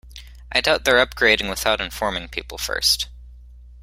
I doubt they're upgrading without informing people first.